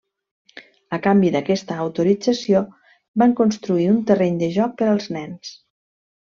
A canvi d'aquesta autorització, van construir un terreny de joc per als nens.